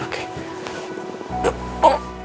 ada apa sih